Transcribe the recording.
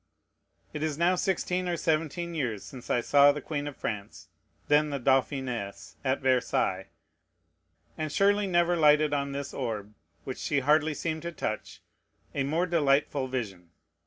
It is now sixteen or seventeen years since I saw the queen of France, then the Dauphiness, at Versailles; and surely never lighted on this orb, which she hardly seemed to touch, a more delightful vision.